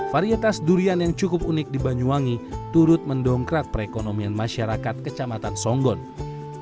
varietas durian yang cukup unik di banyuwangi turut mendongkrak perekonomian masyarakat kecamatan songgon